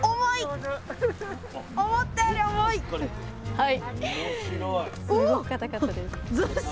はい。